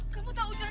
kamu tau ujang dimana